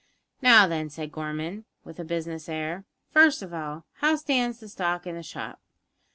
"Now, then," said Gorman, with a business air, "first of all, how stands the stock in the shop?"